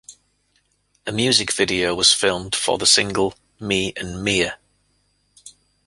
A music video was filmed for the single Me and Mia.